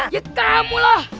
ya kamu lah